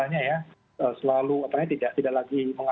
hanya saja sekali lagi kalau rekan rekan indonesia tidak kooperatif dengan kita